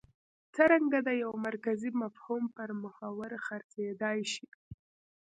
څرنګه د یوه مرکزي مفهوم پر محور څرخېدای شي.